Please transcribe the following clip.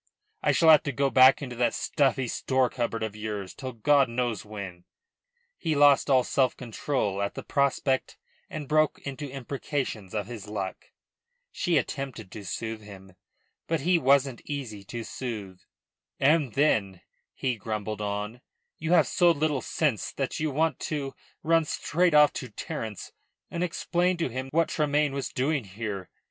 I shall have to go back into that stuffy store cupboard of yours till God knows when." He lost all self control at the prospect and broke into imprecations of his luck. She attempted to soothe him. But he wasn't easy to soothe. "And then," he grumbled on, "you have so little sense that you want to run straight off to Terence and explain to him what Tremayne was doing here.